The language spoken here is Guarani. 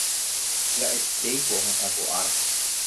pya'etéiko ohasa ko ára